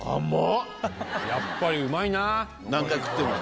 やっぱりうまいな！